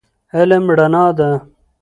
علم رڼا ده